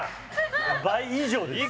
倍以上ですね